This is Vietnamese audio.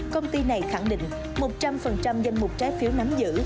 công ty này khẳng định một trăm linh danh mục trái phiếu nắm giữ